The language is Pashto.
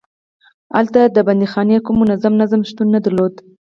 هلته د بندیخانې کوم منظم نظام شتون نه درلود.